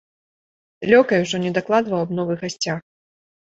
Лёкай ужо не дакладваў аб новых гасцях.